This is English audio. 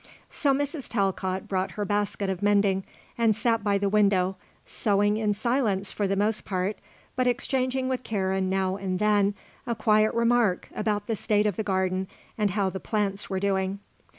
So Mrs. Talcott brought her basket of mending and sat by the window, sewing in silence for the most part, but exchanging with Karen now and then a quiet remark about the state of the garden and how the plants were doing.